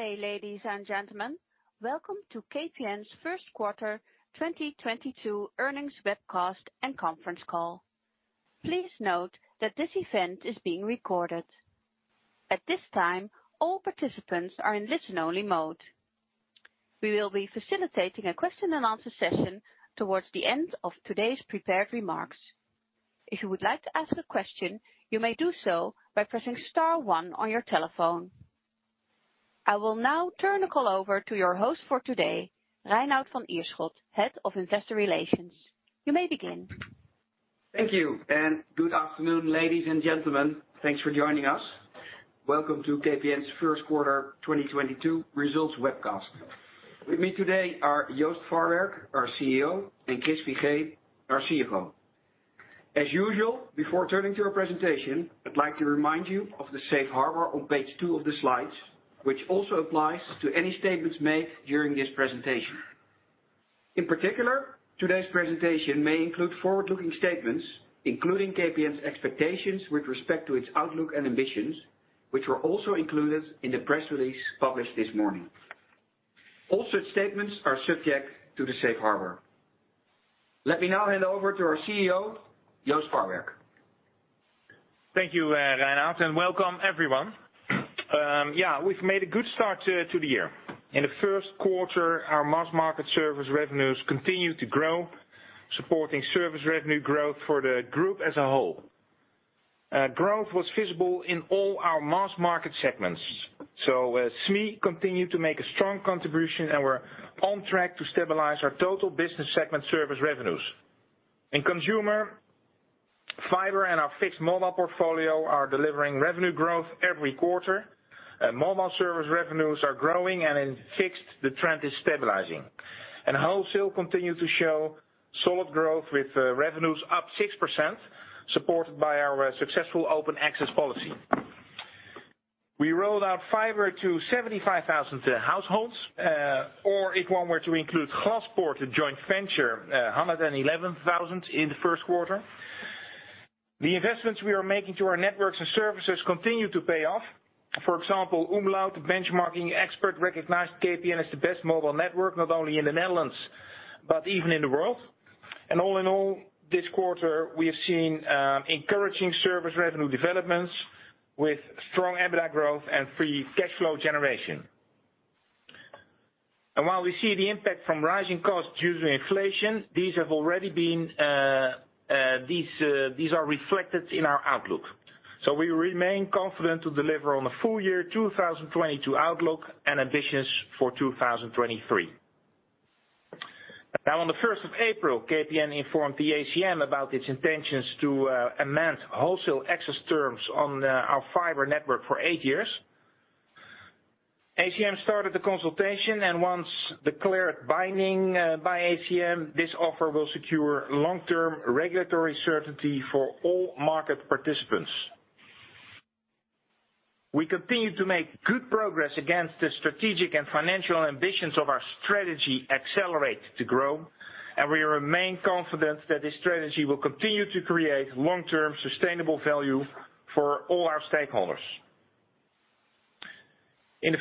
Good day, ladies and gentlemen. Welcome to KPN's Q1 2022 earnings webcast and conference call. Please note that this event is being recorded. At this time, all participants are in listen-only mode. We will be facilitating a question and answer session towards the end of today's prepared remarks. If you would like to ask a question, you may do so by pressing star one on your telephone. I will now turn the call over to your host for today, Reinout van Ierschot, Head of Investor Relations. You may begin. Thank you, and good afternoon, ladies and gentlemen. Thanks for joining us. Welcome to KPN's Q1 2022 results webcast. With me today are Joost Farwerck, our CEO, and Chris Figee, our CFO. As usual, before turning to our presentation, I'd like to remind you of the safe harbor on page two of the slides, which also applies to any statements made during this presentation. In particular, today's presentation may include forward-looking statements, including KPN's expectations with respect to its outlook and ambitions, which were also included in the press release published this morning. All such statements are subject to the safe harbor. Let me now hand over to our CEO, Joost Farwerck. Thank you, Reinout, and welcome everyone. We've made a good start to the year. In the Q1, our mass market service revenues continued to grow, supporting service revenue growth for the group as a whole. Growth was visible in all our mass market segments. SME continued to make a strong contribution, and we're on track to stabilize our total business segment service revenues. In consumer, fiber and our fixed mobile portfolio are delivering revenue growth every quarter. Mobile service revenues are growing, and in fixed the trend is stabilizing. Wholesale continued to show solid growth with revenues up 6%, supported by our successful open access policy. We rolled out fiber to 75,000 households, or if one were to include Glaspoort, the joint venture, 111,000 in the Q1. The investments we are making to our networks and services continue to pay off. For example, umlaut benchmarking expert recognized KPN as the best mobile network, not only in the Netherlands, but even in the world. All in all, this quarter we have seen encouraging service revenue developments with strong EBITDA growth and free cash flow generation. While we see the impact from rising costs due to inflation, these are reflected in our outlook. We remain confident to deliver on a full year 2022 outlook and ambitions for 2023. Now on the first of April, KPN informed the ACM about its intentions to amend wholesale access terms on our fiber network for eight years. ACM started the consultation, and once declared binding by ACM, this offer will secure long-term regulatory certainty for all market participants. We continue to make good progress against the strategic and financial ambitions of our strategy, Accelerate to Grow. We remain confident that this strategy will continue to create long-term sustainable value for all our stakeholders. In the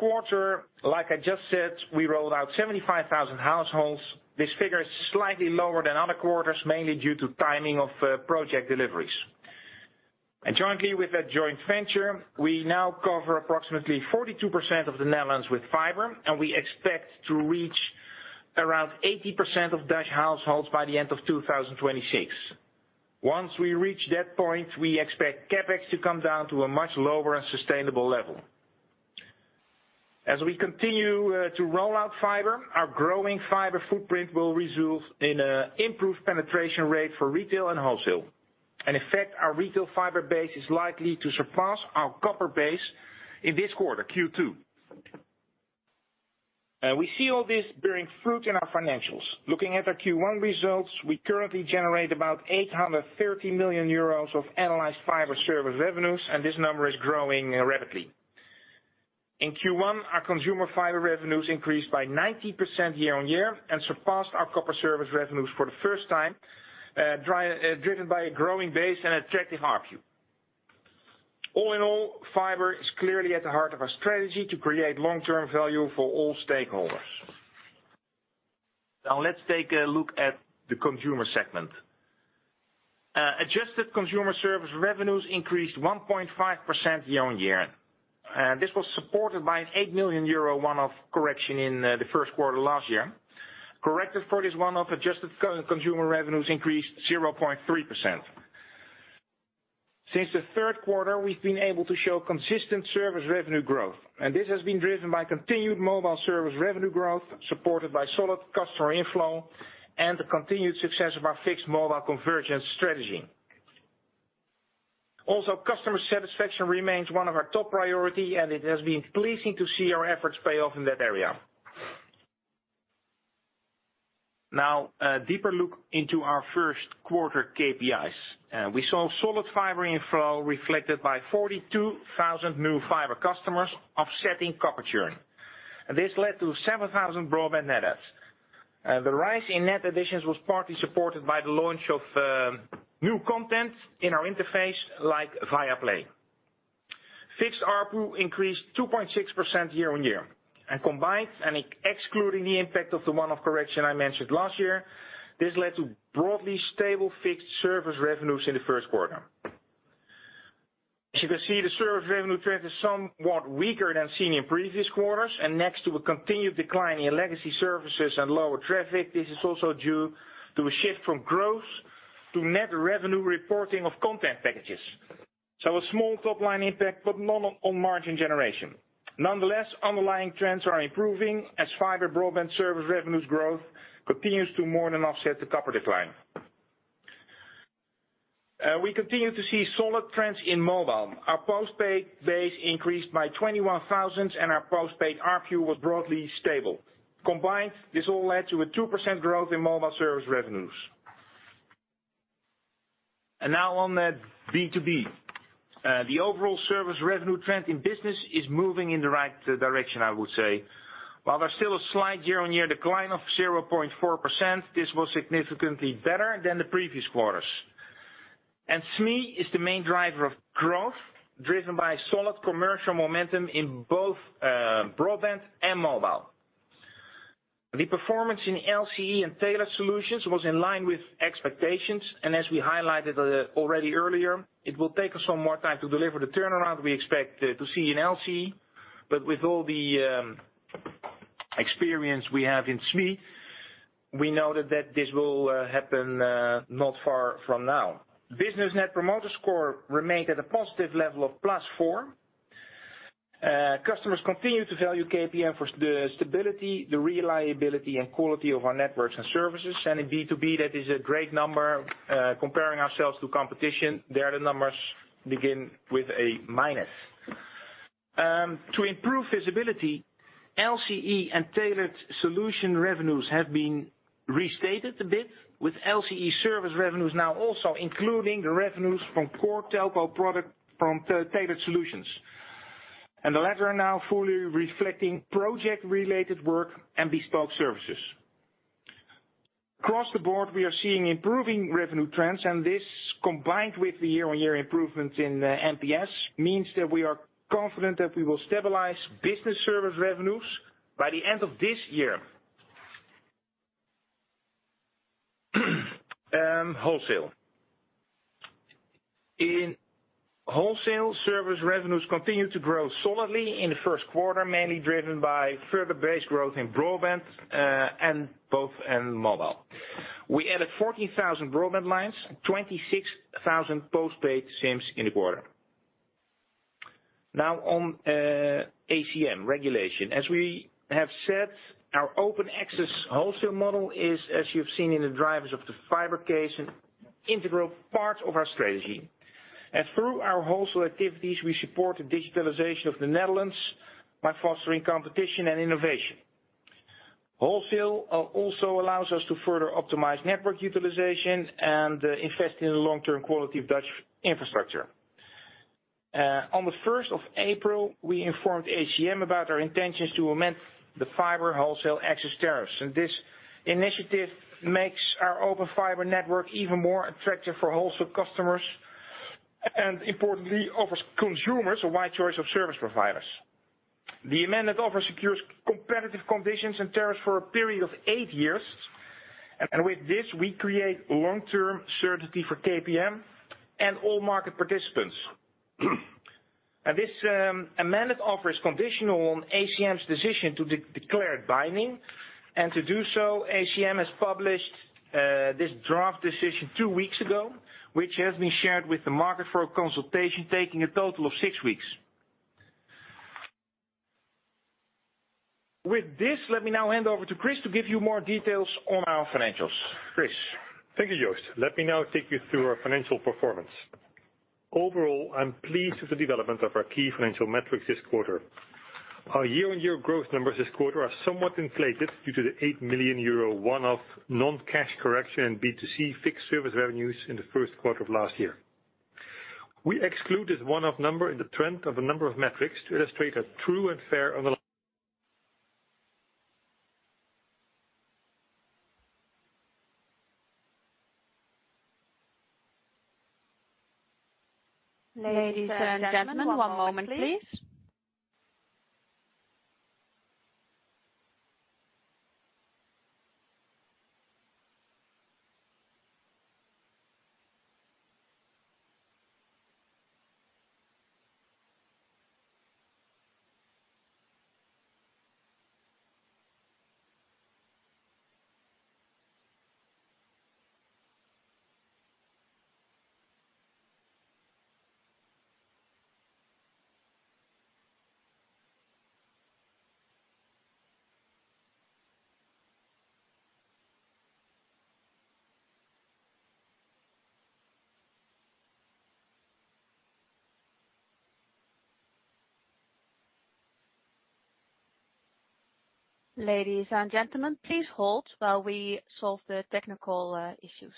Q1, like I just said, we rolled out 75,000 households. This figure is slightly lower than other quarters, mainly due to timing of project deliveries. Jointly with a joint venture, we now cover approximately 42% of the Netherlands with fiber, and we expect to reach around 80% of Dutch households by the end of 2026. Once we reach that point, we expect CapEx to come down to a much lower and sustainable level. As we continue to roll out fiber, our growing fiber footprint will result in an improved penetration rate for retail and wholesale. In effect, our retail fiber base is likely to surpass our copper base in this quarter, Q2. We see all this bearing fruit in our financials. Looking at our Q1 results, we currently generate about 830 million euros of annualized fiber service revenues, and this number is growing rapidly. In Q1, our consumer fiber revenues increased by 90% year-on-year and surpassed our copper service revenues for the first time, driven by a growing base and attractive ARPU. All in all, fiber is clearly at the heart of our strategy to create long-term value for all stakeholders. Now let's take a look at the consumer segment. Adjusted consumer service revenues increased 1.5% year-on-year. This was supported by an 8 million euro one-off correction in the Q1 last year. Corrected for this one-off, adjusted consumer revenues increased 0.3%. Since the Q3, we've been able to show consistent service revenue growth, and this has been driven by continued mobile service revenue growth, supported by solid customer inflow and the continued success of our fixed mobile convergence strategy. Customer satisfaction remains one of our top priority, and it has been pleasing to see our efforts pay off in that area. Now a deeper look into our Q1 KPIs. We saw solid fiber inflow reflected by 42,000 new fiber customers offsetting copper churn. This led to 7,000 broadband net adds. The rise in net additions was partly supported by the launch of new content in our interface, like Viaplay. Fixed ARPU increased 2.6% year-on-year. Combined and excluding the impact of the one-off correction I mentioned last year, this led to broadly stable fixed service revenues in the Q1. As you can see, the service revenue trend is somewhat weaker than seen in previous quarters, and next to a continued decline in legacy services and lower traffic, this is also due to a shift from growth to net revenue reporting of content packages. A small top-line impact, but none on margin generation. Nonetheless, underlying trends are improving as fiber broadband service revenues growth continues to more than offset the copper decline. We continue to see solid trends in mobile. Our postpaid base increased by 21,000, and our postpaid ARPU was broadly stable. Combined, this all led to a 2% growth in mobile service revenues. Now on to B2B. The overall service revenue trend in business is moving in the right direction, I would say. While there's still a slight year-on-year decline of 0.4%, this was significantly better than the previous quarters. SME is the main driver of growth, driven by solid commercial momentum in both, broadband and mobile. The performance in LCE and tailored solutions was in line with expectations, and as we highlighted already earlier, it will take us some more time to deliver the turnaround we expect to see in LCE. But with all the experience we have in SME, we know that this will happen not far from now. Business net promoter score remained at a positive level of +4. Customers continue to value KPN for the stability, the reliability, and quality of our networks and services. In B2B, that is a great number. Comparing ourselves to competition, there, the numbers begin with a minus. To improve visibility, LCE and tailored solution revenues have been restated a bit, with LCE service revenues now also including the revenues from core telco product from tailored solutions. The latter are now fully reflecting project-related work and bespoke services. Across the board, we are seeing improving revenue trends, and this combined with the year-on-year improvements in NPS means that we are confident that we will stabilize business service revenues by the end of this year. Wholesale. In wholesale, service revenues continued to grow solidly in the Q1, mainly driven by further base growth in broadband, and both in mobile. We added 14,000 broadband lines, 26,000 postpaid SIMs in the quarter. Now on ACM regulation. As we have said, our open access wholesale model is, as you've seen in the drivers of the fiber case, an integral part of our strategy. Through our wholesale activities, we support the digitalization of the Netherlands by fostering competition and innovation. Wholesale also allows us to further optimize network utilization and invest in the long-term quality of Dutch infrastructure. On the first of April, we informed ACM about our intentions to amend the fiber wholesale access tariffs. This initiative makes our open fiber network even more attractive for wholesale customers and importantly, offers consumers a wide choice of service providers. The amended offer secures competitive conditions and tariffs for a period of eight years. With this, we create long-term certainty for KPN and all market participants. This amended offer is conditional on ACM's decision to declare it binding. To do so, ACM has published this draft decision two weeks ago, which has been shared with the market for a consultation, taking a total of six weeks. With this, let me now hand over to Chris to give you more details on our financials. Chris? Thank you, Joost. Let me now take you through our financial performance. Overall, I'm pleased with the development of our key financial metrics this quarter. Our year-on-year growth numbers this quarter are somewhat inflated due to the 8 million euro one-off non-cash correction in B2C fixed service revenues in the Q1 of last year. We excluded one-off number in the trend of a number of metrics to illustrate a true and fair underlying Ladies and gentlemen, one moment, please. Ladies and gentlemen, please hold while we solve the technical issues.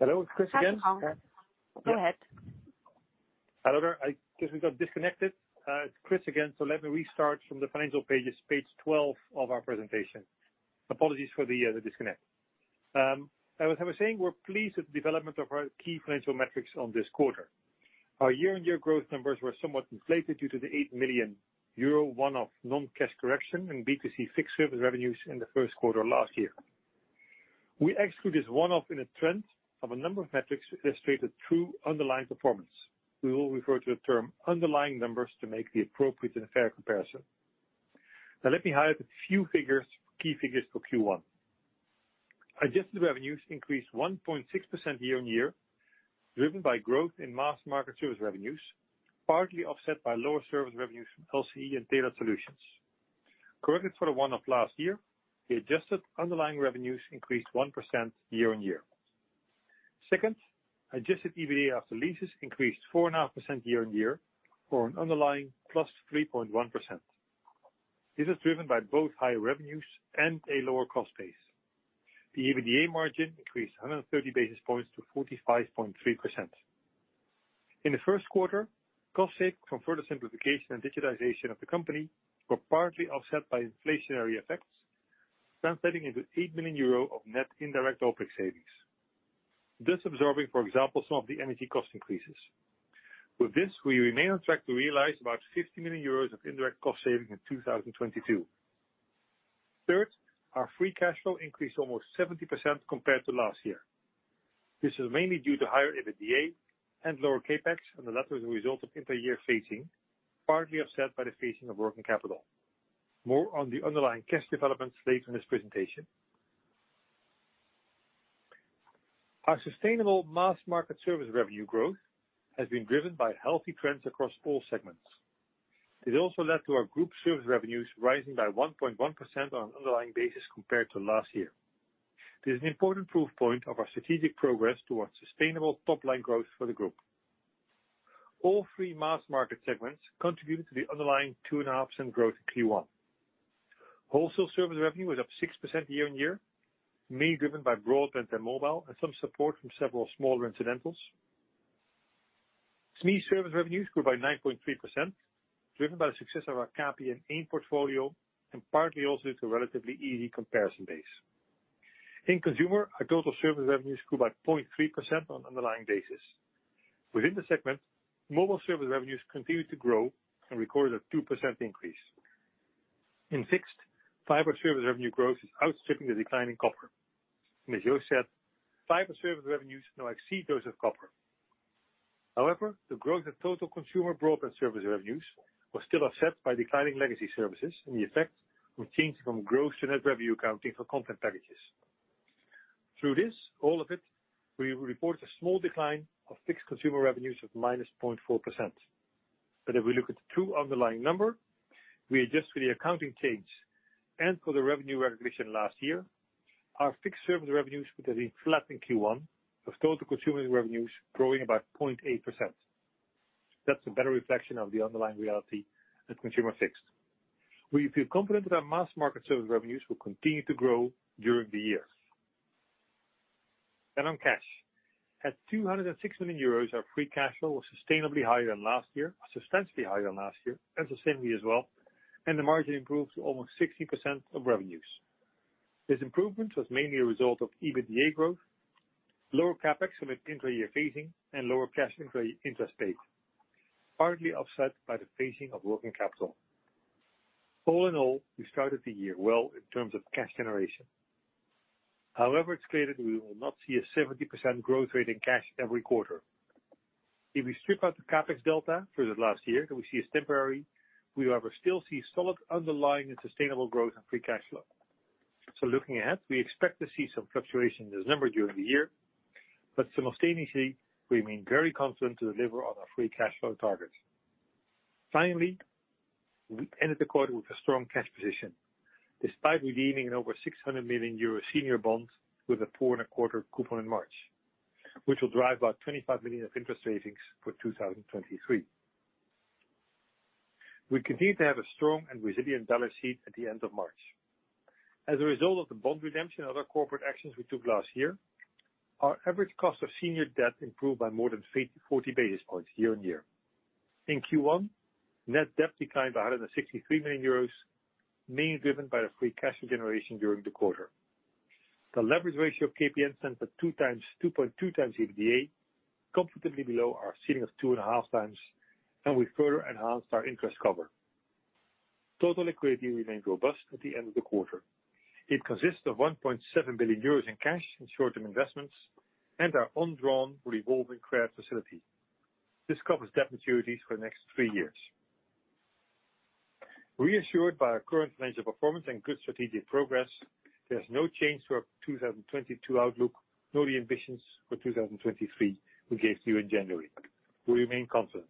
Hello, Chris again. Go ahead. However, I guess we got disconnected. It's Chris again, so let me restart from the financial pages, page 12 of our presentation. Apologies for the disconnect. As I was saying, we're pleased with the development of our key financial metrics on this quarter. Our year-on-year growth numbers were somewhat inflated due to the 8 million euro one-off non-cash correction in B2C fixed service revenues in the Q1 last year. We exclude this one-off in a trend of a number of metrics which illustrated true underlying performance. We will refer to the term underlying numbers to make the appropriate and fair comparison. Now let me highlight a few figures, key figures for Q1. Adjusted revenues increased 1.6% year-on-year, driven by growth in mass market service revenues, partly offset by lower service revenues from LCE and data solutions. Corrected for the one-off last year, the adjusted underlying revenues increased 1% year on year. Second, adjusted EBITDA after leases increased 4.5% year on year or an underlying +3.1%. This is driven by both higher revenues and a lower cost base. The EBITDA margin increased 130 basis points to 45.3%. In the Q1, cost savings from further simplification and digitization of the company were partly offset by inflationary effects, translating into 8 million euro of net indirect operating savings. Thus absorbing, for example, some of the energy cost increases. With this, we remain on track to realize about 50 million euros of indirect cost savings in 2022. Third, our free cash flow increased almost 70% compared to last year. This is mainly due to higher EBITDA and lower CapEx, and the latter is a result of inter-year phasing, partly offset by the phasing of working capital. More on the underlying cash developments later in this presentation. Our sustainable mass market service revenue growth has been driven by healthy trends across all segments. It also led to our group service revenues rising by 1.1% on an underlying basis compared to last year. This is an important proof point of our strategic progress towards sustainable top-line growth for the group. All three mass market segments contributed to the underlying 2.5% growth in Q1. Wholesale service revenue was up 6% year-on-year, mainly driven by broadband and mobile and some support from several smaller incidentals. SME service revenues grew by 9.3%, driven by the success of our CAPI and AIM portfolio, and partly also due to relatively easy comparison base. In consumer, our total service revenues grew by 0.3% on underlying basis. Within the segment, mobile service revenues continued to grow and recorded a 2% increase. In fixed, fiber service revenue growth is outstripping the decline in copper. As Jo said, fiber service revenues now exceed those of copper. However, the growth in total consumer broadband service revenues was still offset by declining legacy services and the effect from change from gross to net revenue accounting for content packages. Through this, all of it, we will report a small decline of fixed consumer revenues of -0.4%. If we look at the true underlying number, we adjust for the accounting change and for the revenue recognition last year. Our fixed service revenues would have been flat in Q1, with total consumer revenues growing about 0.8%. That's a better reflection of the underlying reality at consumer fixed. We feel confident that our mass market service revenues will continue to grow during the year. On cash. At 206 million euros, our free cash flow was sustainably higher than last year, substantially higher than last year, and sustainably as well, and the margin improved to almost 60% of revenues. This improvement was mainly a result of EBITDA growth, lower CapEx from intra-year phasing, and lower cash interest paid, partly offset by the phasing of working capital. All in all, we started the year well in terms of cash generation. However, it's clear that we will not see a 70% growth rate in cash every quarter. If we strip out the CapEx delta for the last year that we see as temporary, we will, however, still see solid underlying and sustainable growth in free cash flow. Looking ahead, we expect to see some fluctuation in this number during the year, but simultaneously, we remain very confident to deliver on our free cash flow targets. Finally, we ended the quarter with a strong cash position, despite redeeming over 600 million euro senior bonds with a 4.25% coupon in March, which will drive about 25 million of interest savings for 2023. We continue to have a strong and resilient balance sheet at the end of March. As a result of the bond redemption and other corporate actions we took last year, our average cost of senior debt improved by more than 40 basis points year-on-year. In Q1, net debt declined by 163 million euros, mainly driven by the free cash generation during the quarter. The leverage ratio of KPN stands at 2.2 times EBITDA, comfortably below our ceiling of 2.5 times, and we further enhanced our interest cover. Total liquidity remains robust at the end of the quarter. It consists of 1.7 billion euros in cash and short-term investments and our undrawn revolving credit facility. This covers debt maturities for the next 3 years. Reassured by our current financial performance and good strategic progress, there's no change to our 2022 outlook, nor the ambitions for 2023 we gave you in January. We remain confident.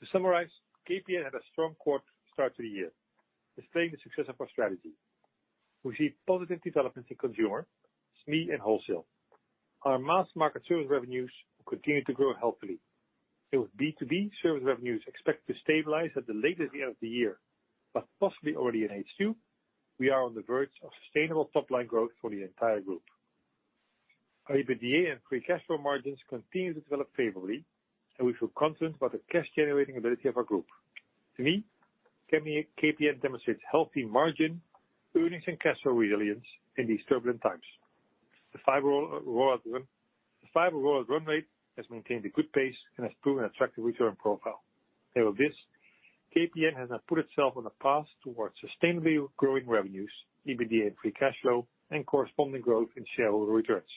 To summarize, KPN had a strong quarter start to the year, explaining the success of our strategy. We see positive developments in consumer, SME, and wholesale. Our mass market service revenues continued to grow healthily. With B2B service revenues expected to stabilize at the latest the end of the year, but possibly already in H2, we are on the verge of sustainable top-line growth for the entire group. Our EBITDA and free cash flow margins continue to develop favorably, and we feel confident about the cash-generating ability of our group. To me, KPN demonstrates healthy margin, earnings, and cash flow resilience in these turbulent times. The fiber rollout run rate has maintained a good pace and has proven attractive return profile. However, this, KPN has now put itself on a path towards sustainably growing revenues, EBITDA, and free cash flow, and corresponding growth in shareholder returns.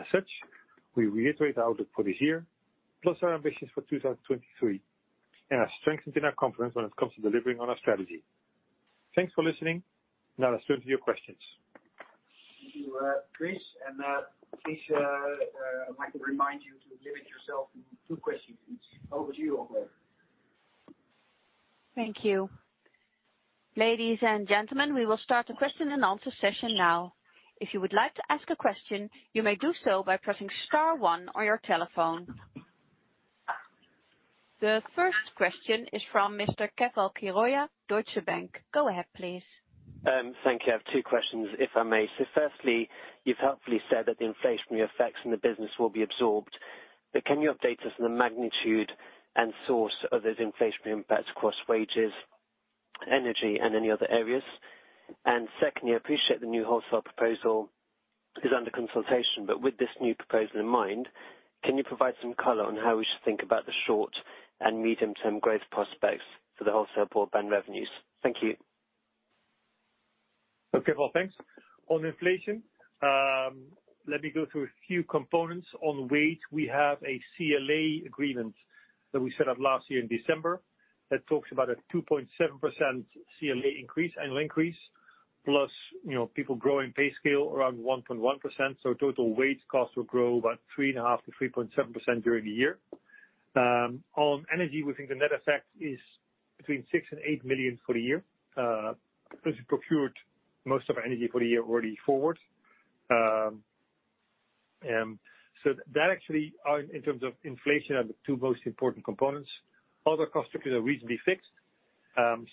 As such, we reiterate the outlook for this year, plus our ambitions for 2023, and are strengthened in our confidence when it comes to delivering on our strategy. Thanks for listening. Now let's turn to your questions. Thank you, Chris. Please, I'd like to remind you to limit yourself to two questions please. Over to you, operator. Thank you. Ladies and gentlemen, we will start the question and answer session now. If you would like to ask a question, you may do so by pressing star one on your telephone. The first question is from Mr. Keval Khiroya, Deutsche Bank. Go ahead, please. Thank you. I have two questions, if I may. Firstly, you've helpfully said that the inflationary effects in the business will be absorbed, but can you update us on the magnitude and source of those inflationary impacts across wages, energy, and any other areas? Secondly, I appreciate the new wholesale proposal is under consultation, but with this new proposal in mind, can you provide some color on how we should think about the short and medium-term growth prospects for the wholesale broadband revenues? Thank you. Okay. Well, thanks. On inflation, let me go through a few components. On wage, we have a CLA agreement that we set up last year in December that talks about a 2.7% CLA increase, annual increase. Plus, you know, people growing pay scale around 1.1%, so total wage costs will grow about 3.5%-3.7% during the year. On energy, we think the net effect is between 6 million and 8 million for the year, because we procured most of our energy for the year already forward. That actually, in terms of inflation, are the two most important components. Other costs are reasonably fixed.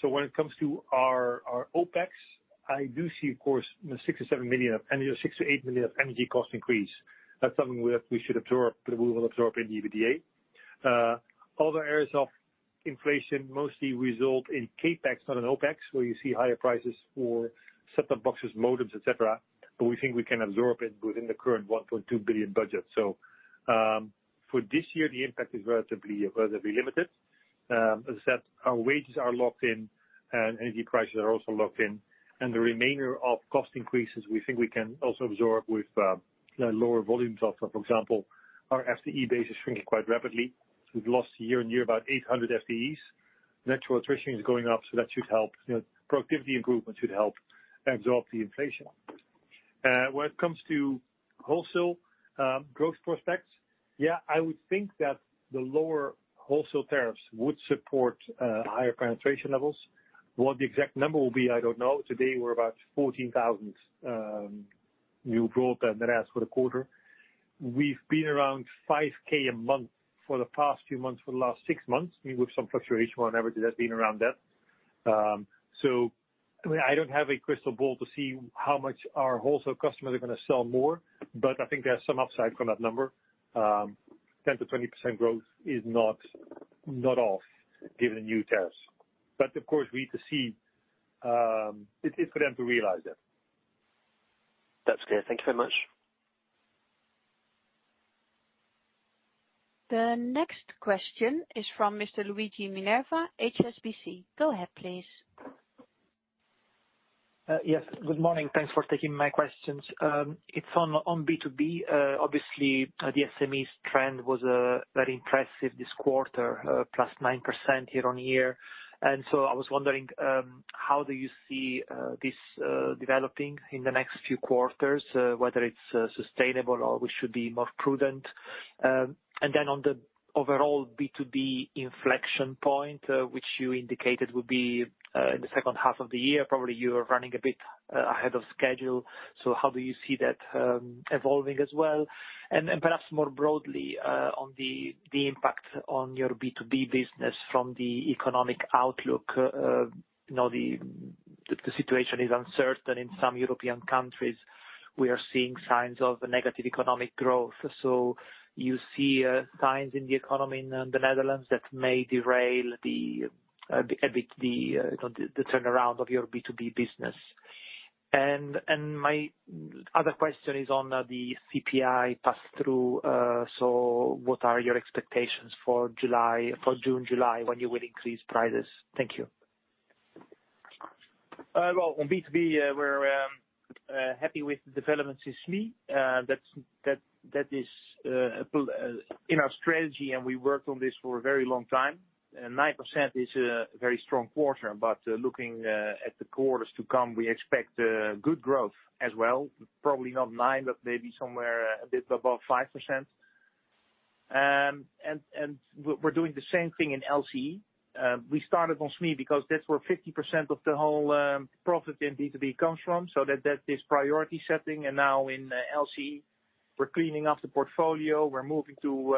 When it comes to our OPEX, I do see of course, you know, 6 million-7 million of, and 6 million-8 million of energy cost increase. That's something we should absorb, that we will absorb in EBITDA. Other areas of inflation mostly result in CapEx not an OPEX, where you see higher prices for set-top boxes, modems, et cetera, but we think we can absorb it within the current 1.2 billion budget. For this year, the impact is relatively limited. As I said, our wages are locked in and energy prices are also locked in. The remainder of cost increases, we think we can also absorb with lower volumes of, for example, our FTE base is shrinking quite rapidly. We've lost year on year about 800 FTEs. Natural attrition is going up, so that should help. You know, productivity improvement should help absorb the inflation. When it comes to wholesale, growth prospects, yeah, I would think that the lower wholesale tariffs would support, higher penetration levels. What the exact number will be, I don't know. Today, we're about 14,000 new broadband that we added for the quarter. We've been around 5,000 a month for the past few months, for the last six months. I mean, with some fluctuation on average, it has been around that. So I mean, I don't have a crystal ball to see how much our wholesale customers are gonna sell more, but I think there's some upside from that number. 10%-20% growth is not out of the question. Not off, given the new tariffs. Of course, we need to see, it is for them to realize that. That's clear. Thank you very much. The next question is from Mr. Luigi Minerva, HSBC. Go ahead, please. Yes. Good morning. Thanks for taking my questions. It's on B2B. Obviously, the SMEs trend was very impressive this quarter, +9% year-on-year. I was wondering how do you see this developing in the next few quarters, whether it's sustainable or we should be more prudent? And then on the overall B2B inflection point, which you indicated would be in the H2 of the year, probably you are running a bit ahead of schedule. How do you see that evolving as well? And perhaps more broadly, on the impact on your B2B business from the economic outlook. You know, the situation is uncertain in some European countries. We are seeing signs of negative economic growth. You see signs in the economy in the Netherlands that may derail a bit the turnaround of your B2B business, you know. My other question is on the CPI pass-through. What are your expectations for July? For June, July, when you will increase prices? Thank you. Well, on B2B, we're happy with the developments with SME. That's in our strategy, and we worked on this for a very long time. 9% is a very strong quarter, but looking at the quarters to come, we expect good growth as well. Probably not 9%, but maybe somewhere a bit above 5%. We're doing the same thing in LCE. We started on SME because that's where 50% of the whole profit in B2B comes from. That is priority setting. Now in LCE, we're cleaning up the portfolio. We're moving to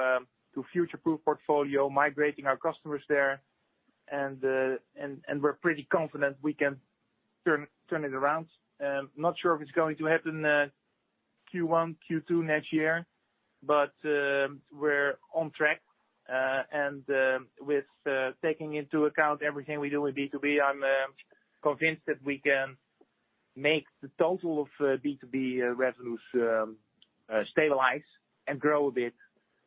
future-proof portfolio, migrating our customers there. We're pretty confident we can turn it around. Not sure if it's going to happen, Q1, Q2 next year, but we're on track. With taking into account everything we do in B2B, I'm convinced that we can make the total of B2B revenues stabilize and grow a bit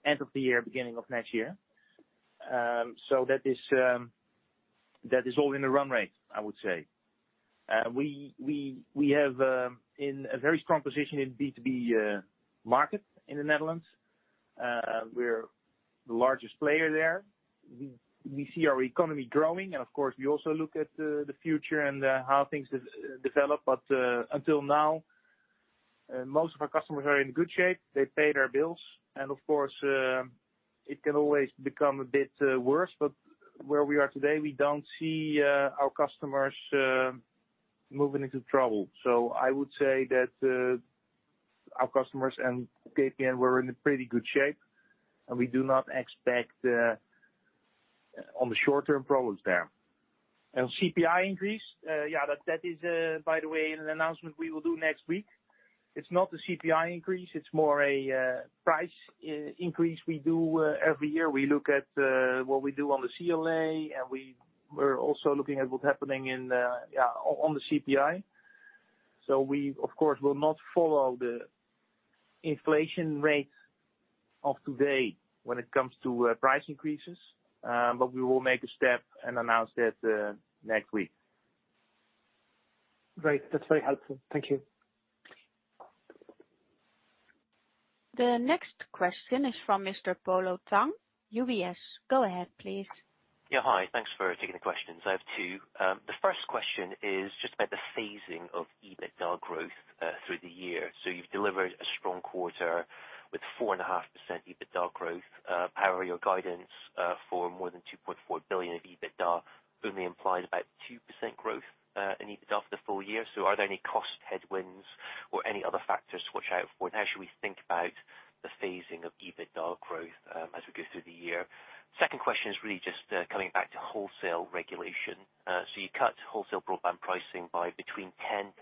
end of the year, beginning of next year. That is all in the run rate, I would say. We have a very strong position in B2B market in the Netherlands. We're the largest player there. We see our economy growing, and of course, we also look at the future and how things develop. Until now, most of our customers are in good shape. They pay their bills. Of course, it can always become a bit worse. Where we are today, we don't see our customers moving into trouble. I would say that our customers and KPN, we're in pretty good shape, and we do not expect on the short term, problems there. CPI increase, that is, by the way, an announcement we will do next week. It's not a CPI increase, it's more a price increase we do every year. We look at what we do on the CLA, and we're also looking at what's happening in on the CPI. We, of course, will not follow the inflation rate of today when it comes to price increases, but we will make a step and announce that next week. Great. That's very helpful. Thank you. The next question is from Mr. Polo Tang, UBS. Go ahead, please. Yeah. Hi. Thanks for taking the questions. I have two. The first question is just about the phasing of EBITDA growth through the year. You've delivered a strong quarter with 4.5% EBITDA growth. However, your guidance for more than 2.4 billion of EBITDA only implies about 2% growth in EBITDA for the full year. Are there any cost headwinds or any other factors to watch out for? And how should we think about the phasing of EBITDA growth as we go through the year? Second question is really just coming back to wholesale regulation. You cut wholesale broadband pricing by between 10%-30%,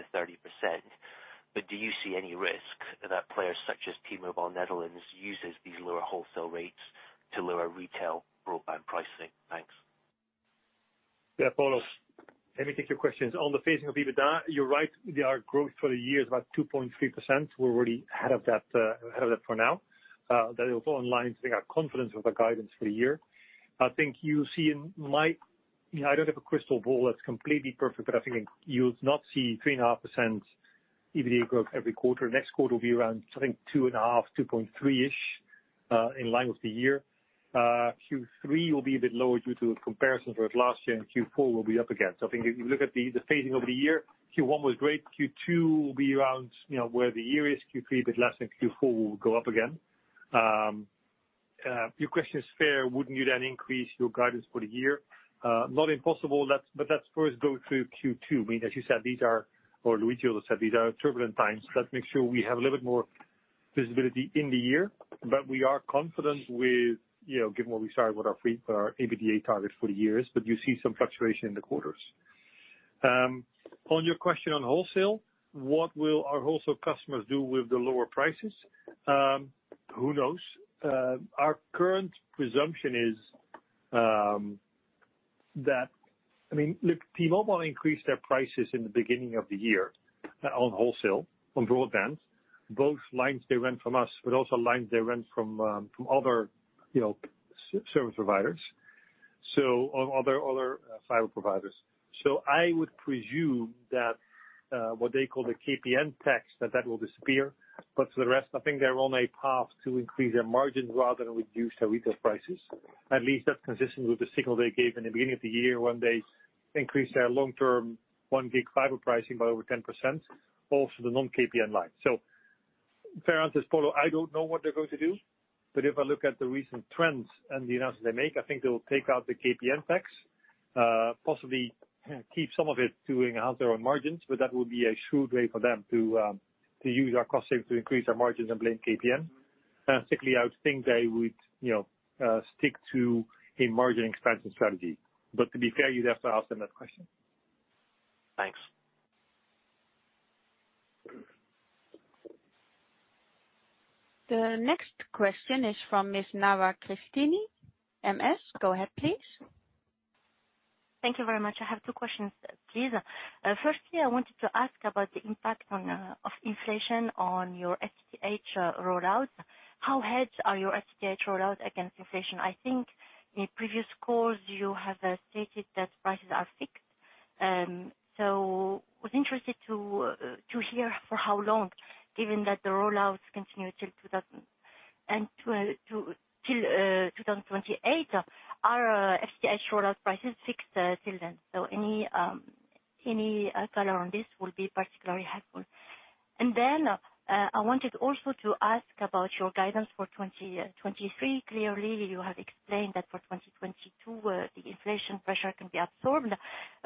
but do you see any risk that players such as T-Mobile Netherlands uses these lower wholesale rates to lower retail broadband pricing? Thanks. Yeah, Polo. Let me take your questions. On the phasing of EBITDA, you're right. Our growth for the year is about 2.3%. We're already ahead of that for now. That also aligns with our confidence with our guidance for the year. I think you'll see in my. You know, I don't have a crystal ball that's completely perfect, but I think you'll not see 3.5% EBITDA growth every quarter. Next quarter will be around, I think, 2.5%, 2.3%-ish, in line with the year. Q3 will be a bit lower due to comparisons with last year, and Q4 will be up again. I think if you look at the phasing of the year, Q1 was great. Q2 will be around, you know, where the year is. Q3, a bit less, and Q4 will go up again. Your question is fair. Wouldn't you then increase your guidance for the year? Not impossible. That's, let's first go through Q2. I mean, as you said, these are turbulent times. Luigi also said, these are turbulent times. Let's make sure we have a little bit more visibility in the year. We are confident with, you know, given what we said with our EBITDA targets for the years. You see some fluctuation in the quarters. On your question on wholesale, what will our wholesale customers do with the lower prices? Who knows? Our current presumption is that. I mean, look, T-Mobile increased their prices in the beginning of the year on wholesale, on broadband. Both lines they rent from us, but also lines they rent from other, you know, service providers, so on other fiber providers. I would presume that what they call the KPN tax will disappear. But for the rest, I think they're on a path to increase their margins rather than reduce their retail prices. At least that's consistent with the signal they gave in the beginning of the year when they increased their long-term 1 gig fiber pricing by over 10%, also the non-KPN line. Fair answer is, Paolo, I don't know what they're going to do. If I look at the recent trends and the announcements they make, I think they will take out the KPN tax, possibly, keep some of it to enhance their own margins, but that would be a shrewd way for them to use our costing to increase our margins and blame KPN. Secondly, I would think they would stick to a margin expansion strategy. To be fair, you'd have to ask them that question. Thanks. The next question is from Miss Nawar Cristini, Morgan Stanley. Go ahead, please. Thank you very much. I have two questions, please. Firstly, I wanted to ask about the impact of inflation on your FTTH rollout. How hedged are your FTTH rollout against inflation? I think in previous calls you have stated that prices are fixed. So I was interested to hear for how long, given that the rollouts continue till 2028. Are FTTH rollout prices fixed till then? So any color on this will be particularly helpful. Then I wanted also to ask about your guidance for 2023. Clearly you have explained that for 2022 the inflation pressure can be absorbed.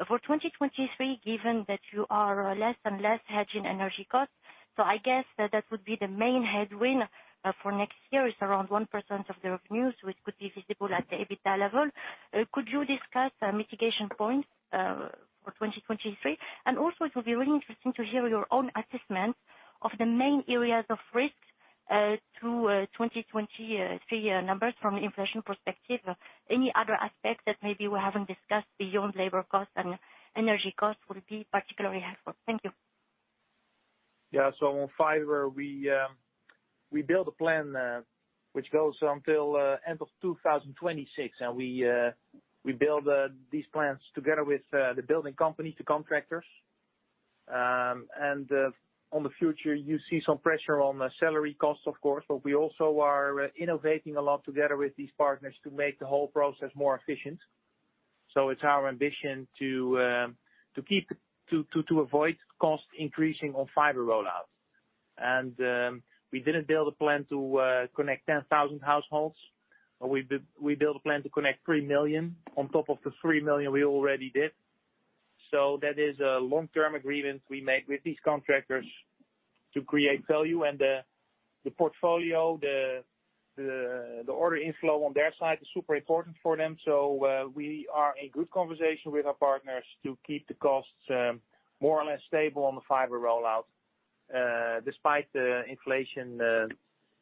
For 2023, given that you are less and less hedging energy costs, so I guess that would be the main headwind for next year is around 1% of the revenues, which could be visible at the EBITDA level. Could you discuss mitigation points for 2023? Also it will be really interesting to hear your own assessment of the main areas of risk to 2023 numbers from an inflation perspective. Any other aspects that maybe we haven't discussed beyond labor costs and energy costs would be particularly helpful. Thank you. Yeah. On fiber, we build a plan which goes until end of 2026, and we build these plans together with the building companies, the contractors. In the future, you see some pressure on the salary costs, of course, but we also are innovating a lot together with these partners to make the whole process more efficient. It's our ambition to avoid cost increasing on fiber roll-outs. We didn't build a plan to connect 10,000 households. We build a plan to connect 3 million on top of the 3 million we already did. That is a long-term agreement we make with these contractors to create value. The portfolio, the order inflow on their side is super important for them. We are in good conversation with our partners to keep the costs more or less stable on the fiber rollout despite the inflation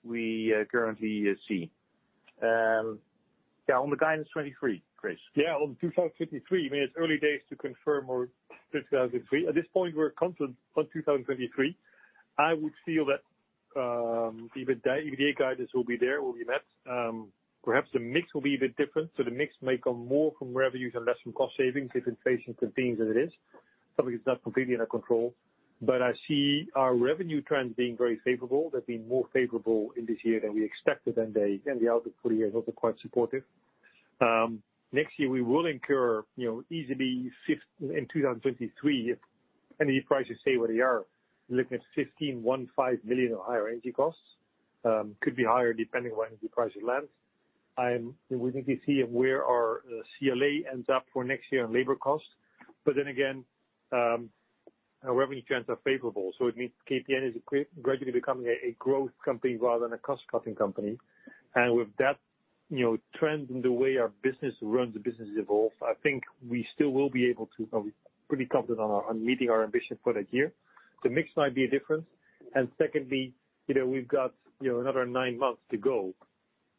we currently see. Yeah, on the guidance 2023, Chris. Yeah, on 2023, I mean, it's early days to confirm our 2023. At this point we're confident on 2023. I would feel that EBITDA guidance will be there, will be met. Perhaps the mix will be a bit different. The mix may come more from revenues and less from cost savings if inflation continues as it is. Something that's not completely under control. I see our revenue trends being very favorable. They've been more favorable in this year than we expected, and the outlook for the year is also quite supportive. Next year we will incur, you know, easily 15 million in 2023 if energy prices stay where they are. We're looking at 15 million or higher energy costs. Could be higher depending on where energy pricing lands. I'm We need to see where our CLA ends up for next year on labor costs. Our revenue trends are favorable. It means KPN is gradually becoming a growth company rather than a cost-cutting company. With that, you know, trend in the way our business runs, the business evolves, I think we are pretty confident on our meeting our ambition for that year. The mix might be different. Secondly, you know, we've got, you know, another 9 months to go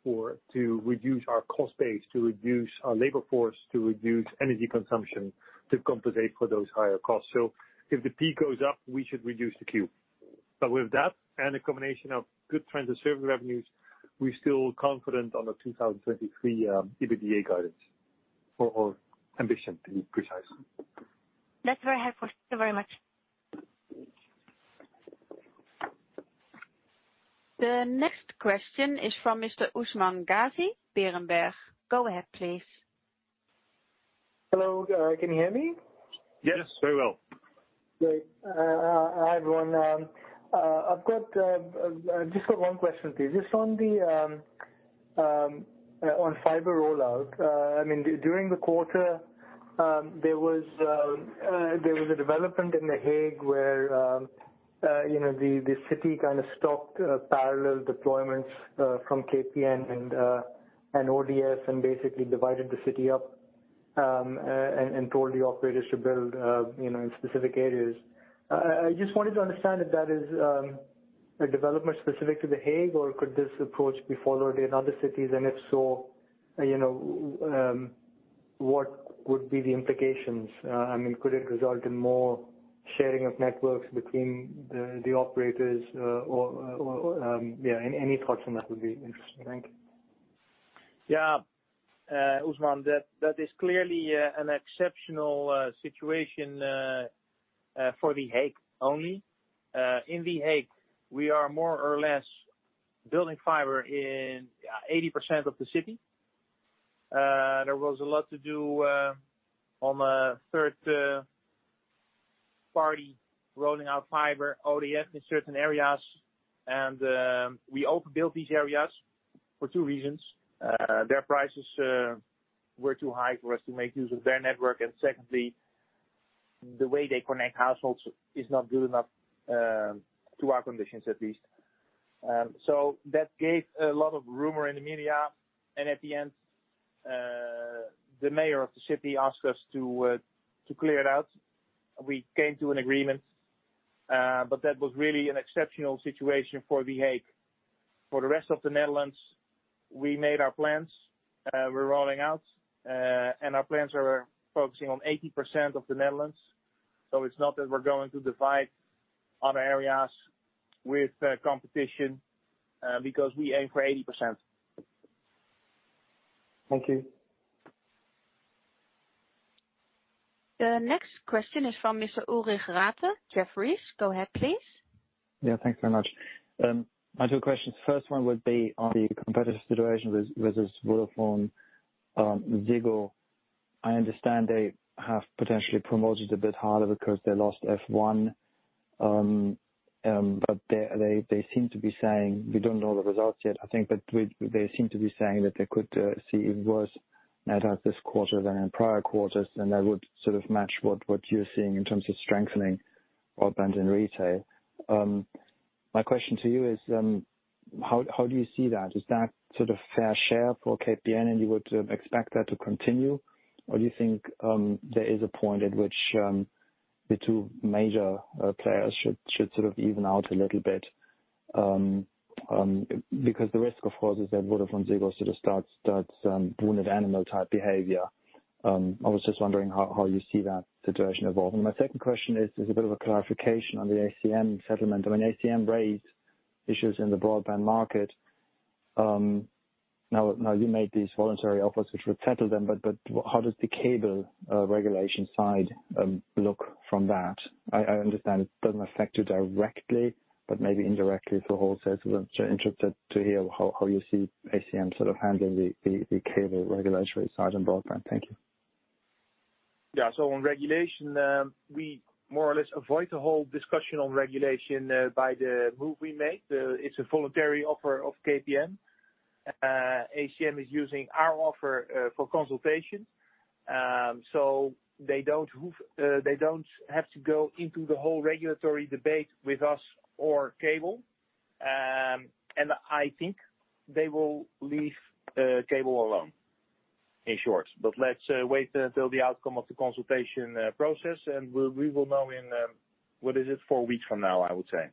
for, to reduce our cost base, to reduce our labor force, to reduce energy consumption, to compensate for those higher costs. If the P goes up, we should reduce the Q. With that and a combination of good trends of service revenues, we're still confident on the 2023 EBITDA guidance. Ambition, to be precise. That's very helpful. Thank you very much. The next question is from Mr. Usman Ghazi, Berenberg. Go ahead, please. Hello. Can you hear me? Yes, very well. Great. Hi, everyone. I've just got one question, please. Just on fiber rollout. I mean, during the quarter, there was a development in The Hague where, You know, the city kind of stopped parallel deployments from KPN and ODF and basically divided the city up and told the operators to build, you know, in specific areas. I just wanted to understand if that is a development specific to The Hague, or could this approach be followed in other cities? If so, you know, what would be the implications? I mean, could it result in more sharing of networks between the operators, or yeah, any thoughts on that would be interesting. Thank you. Yeah. Usman, that is clearly an exceptional situation for The Hague only. In The Hague, we are more or less building fiber in 80% of the city. There was a lot to do on a third party rolling out fiber ODF in certain areas. We overbuilt these areas for two reasons. Their prices were too high for us to make use of their network. Secondly, the way they connect households is not good enough to our conditions at least. That gave a lot of rumor in the media. At the end, the mayor of the city asked us to clear it out. We came to an agreement, but that was really an exceptional situation for The Hague. For the rest of the Netherlands, we made our plans, we're rolling out. Our plans are focusing on 80% of the Netherlands. It's not that we're going to divide other areas with competition, because we aim for 80%. Thank you. The next question is from Mr. Ulrich Rathe, Jefferies. Go ahead, please. Yeah, thanks very much. I have two questions. First one would be on the competitive situation with this VodafoneZiggo. I understand they have potentially promoted a bit harder because they lost F1. But they seem to be saying we don't know the results yet. I think that they seem to be saying that they could see it worse net out this quarter than in prior quarters, and that would sort of match what you're seeing in terms of strengthening broadband and retail. My question to you is, how do you see that? Is that sort of fair share for KPN and you would expect that to continue? Or do you think there is a point at which the two major players should sort of even out a little bit? Because the risk, of course, is that VodafoneZiggo sort of starts wounded animal type behavior. I was just wondering how you see that situation evolving. My second question is a bit of a clarification on the ACM settlement. I mean, ACM raised issues in the broadband market. Now you made these voluntary offers which would settle them, but how does the cable regulation side look from that? I understand it doesn't affect you directly, but maybe indirectly for wholesale. I'm interested to hear how you see ACM sort of handling the cable regulatory side and broadband. Thank you. Yeah. On regulation, we more or less avoid the whole discussion on regulation by the move we made. It's a voluntary offer of KPN. ACM is using our offer for consultation. They don't have to go into the whole regulatory debate with us or cable. I think they will leave cable alone, in short. Let's wait until the outcome of the consultation process and we will know in four weeks from now, I would say.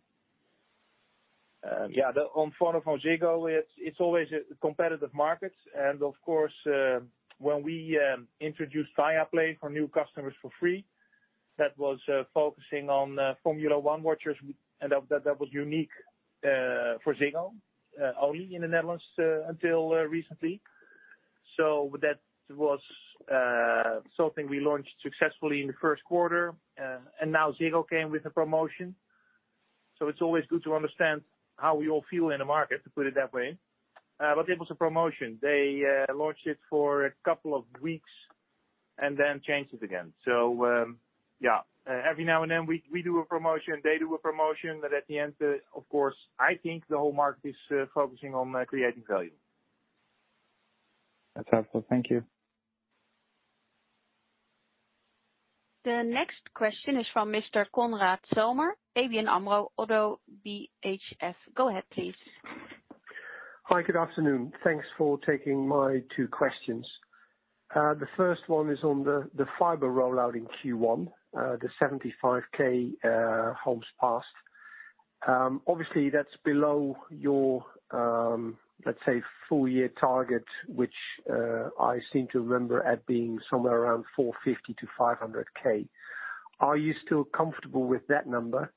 Yeah. On VodafoneZiggo, it's always a competitive market. Of course, when we introduced Viaplay for new customers for free, that was focusing on Formula One watchers, and that was unique for Ziggo only in the Netherlands until recently. That was something we launched successfully in the Q1. Now Ziggo came with a promotion. It's always good to understand how we all feel in the market, to put it that way. It was a promotion. They launched it for a couple of weeks and then changed it again. Every now and then we do a promotion, they do a promotion, but at the end, of course, I think the whole market is focusing on creating value. That's helpful. Thank you. The next question is from Mr. Konrad Zomer, ABN AMRO–ODDO BHF. Go ahead, please. Hi, good afternoon. Thanks for taking my two questions. The first one is on the fiber rollout in Q1, the 75K homes passed. Obviously, that's below your, let's say full-year target, which I seem to remember it being somewhere around 450-500K. Are you still comfortable with that number?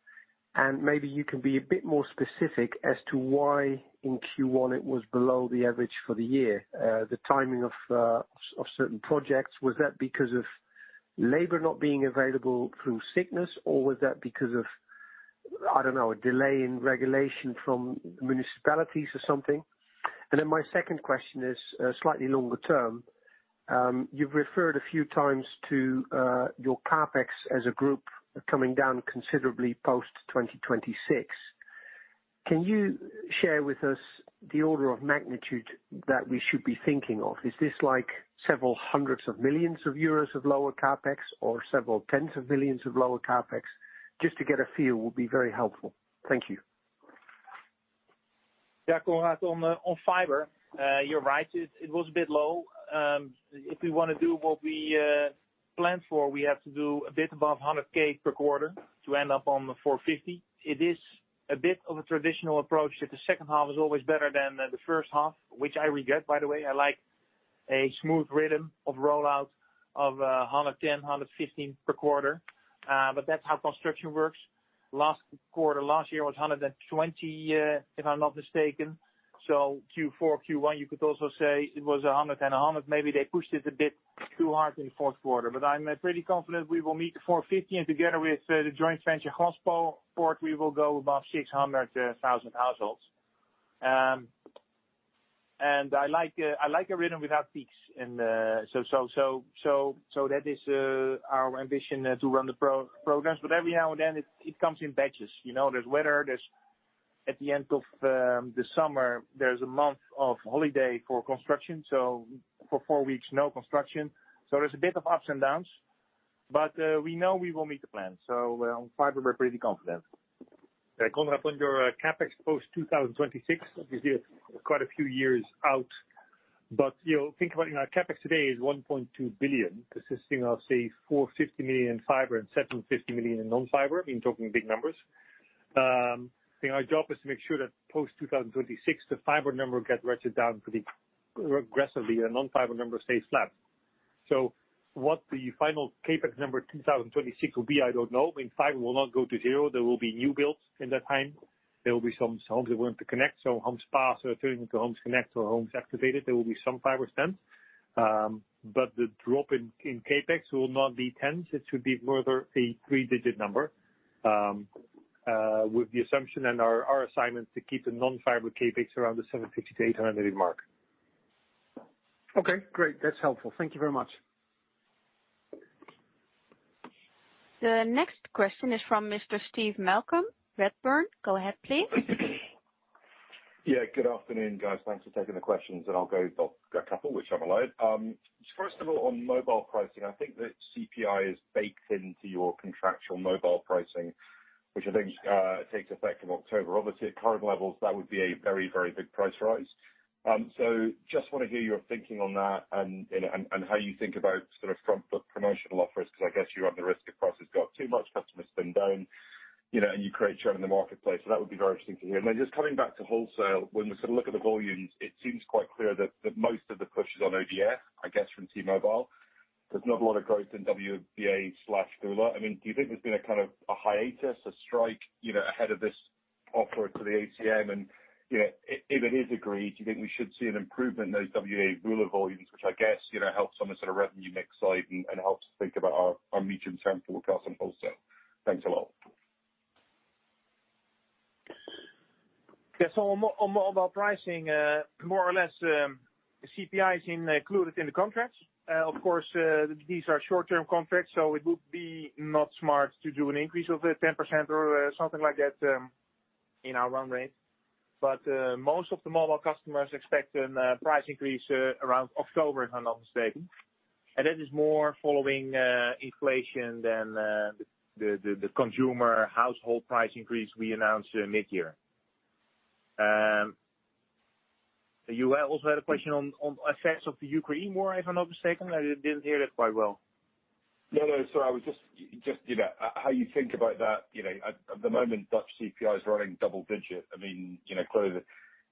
Maybe you can be a bit more specific as to why in Q1 it was below the average for the year. The timing of certain projects, was that because of labor not being available through sickness, or was that because of, I don't know, a delay in regulation from municipalities or something? My second question is slightly longer term. You've referred a few times to your CapEx as a group coming down considerably post-2026. Can you share with us the order of magnitude that we should be thinking of? Is this like several hundreds of millions EUR of lower CapEx or several tens of billions EUR of lower CapEx? Just to get a feel will be very helpful. Thank you. Yeah. Konrad, on fiber, you're right. It was a bit low. If we wanna do what we planned for, we have to do a bit above 100,000 per quarter to end up on the 450. It is a bit of a traditional approach that the H2 is always better than the H1, which I regret by the way. I like a smooth rhythm of rollout of 110, 115 per quarter. But that's how construction works. Last quarter, last year was 120, if I'm not mistaken. Q4, Q1, you could also say it was a 100 and a 100. Maybe they pushed it a bit too hard in the Q4. I'm pretty confident we will meet 450. Together with the joint venture Glaspoort board, we will go above 600,000 households. I like a rhythm without peaks and so that is our ambition to run the programs. Every now and then, it comes in batches, you know. There's weather. At the end of the summer, there's a month of holiday for construction, so for four weeks, no construction. There's a bit of ups and downs. We know we will meet the plan. On fiber, we're pretty confident. Yeah. Konrad, on your CapEx post-2026, obviously it's quite a few years out. You know, think about it, you know, CapEx today is 1.2 billion, consisting of, say, 450 million in fiber and 750 million in non-fiber. I mean, talking big numbers. You know, our job is to make sure that post-2026, the fiber number get ratcheted down pretty aggressively and non-fiber numbers stay flat. What the final CapEx number 2026 will be, I don't know. I mean, fiber will not go to zero. There will be new builds in that time. There will be some homes that want to connect, so homes passed or turning into homes connect or homes activated. There will be some fiber spent. The drop in CapEx will not be tens. It should be rather a three-digit number, with the assumption and our assignment to keep the non-fiber CapEx around 760-800 mark. Okay, great. That's helpful. Thank you very much. The next question is from Mr. Steve Malcolm, Redburn. Go ahead, please. Yeah, good afternoon, guys. Thanks for taking the questions. I'll go with a couple, which I'm allowed. First of all, on mobile pricing, I think the CPI is baked into your contractual mobile pricing, which I think takes effect in October. Obviously, at current levels, that would be a very, very big price rise. Just wanna hear your thinking on that and how you think about sort of pro-promotional offers, 'cause I guess you run the risk if prices go up too much, customers spin down, you know, and you create churn in the marketplace. That would be very interesting to hear. Then just coming back to wholesale, when we sort of look at the volumes, it seems quite clear that most of the push is on ODF, I guess from T-Mobile. There's not a lot of growth in WBA/VULA. I mean, do you think there's been a kind of a hiatus, a strike, you know, ahead of this offer to the ACM? You know, if it is agreed, do you think we should see an improvement in those WBA/VULA volumes, which I guess, you know, helps on the sort of revenue mix side and helps think about our medium-term forecast on wholesale? Thanks a lot. Yeah. On mobile pricing, more or less, CPI is included in the contracts. Of course, these are short-term contracts, so it would be not smart to do an increase of 10% or something like that in our run rate. But most of the mobile customers expect a price increase around October, if I'm not mistaken. That is more following inflation than the consumer household price increase we announced midyear. You also had a question on effects of the Ukraine war if I'm not mistaken. I didn't hear that quite well. No, no. I was just, you know, how you think about that, you know, at the moment Dutch CPI is running double digit. I mean, you know, clearly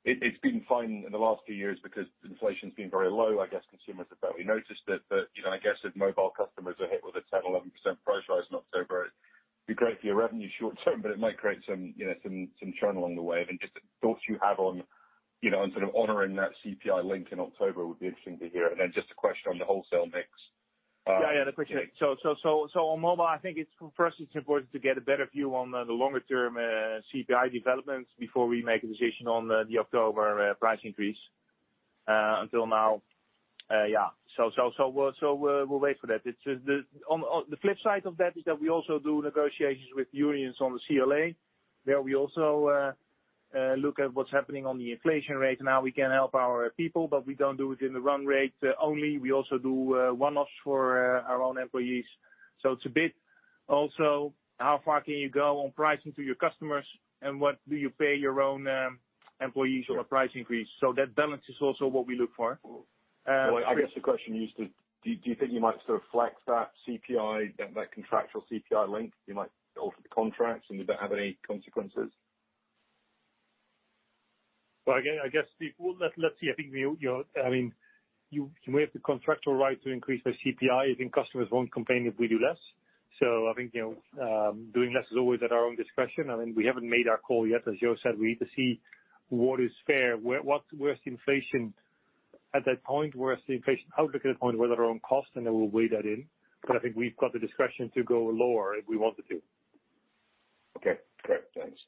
it's been fine in the last few years because inflation's been very low. I guess consumers have barely noticed it. You know, I guess if mobile customers are hit with a 10-11% price rise in October, it'd be great for your revenue short term, but it might create some, you know, some churn along the way. I mean, just the thoughts you have on, you know, and sort of honoring that CPI link in October would be interesting to hear. Just a question on the wholesale mix. Yeah, yeah. The question. On mobile, I think it's first important to get a better view on the longer term CPI developments before we make a decision on the October price increase. Until now, yeah. We'll wait for that. On the flip side of that is that we also do negotiations with unions on the CLA. There we also look at what's happening on the inflation rate and how we can help our people. But we don't do it in the run rate only. We also do one-offs for our own employees. It's a bit also how far can you go on pricing to your customers and what do you pay your own employees on a price increase. That balance is also what we look for. Well, I guess the question is do you think you might sort of flex that CPI, that contractual CPI link? You might alter the contracts and you don't have any consequences? Well, again, I guess, Steve. Let's see. I think you know, I mean, we have the contractual right to increase the CPI. I think customers won't complain if we do less. I think, you know, doing less is always at our own discretion. I mean, we haven't made our call yet. As Jo said, we need to see what is fair. Where's the inflation at that point? Where is the inflation outlook at that point with our own cost? Then we'll weigh that in. I think we've got the discretion to go lower if we wanted to. Okay, great. Thanks.